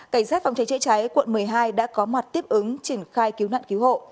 cảnh sát phòng cháy chữa cháy quận một mươi hai đã có mặt tiếp ứng triển khai cứu nạn cứu hộ